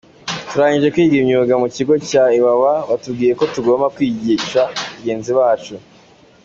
Turangije kwiga imyuga mu kigo cya Iwawa, batubwiye ko tugomba kwigisha bagenzi bacu.